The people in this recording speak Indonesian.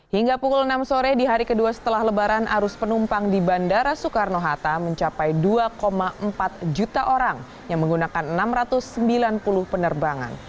hingga pukul enam sore di hari kedua setelah lebaran arus penumpang di bandara soekarno hatta mencapai dua empat juta orang yang menggunakan enam ratus sembilan puluh penerbangan